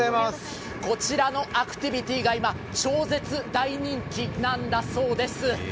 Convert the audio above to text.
こちらのアクティビティーが今、超絶大人気なんだそうです。